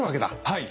はい。